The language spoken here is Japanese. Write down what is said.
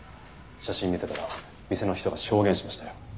写真見せたら店の人が証言しましたよ。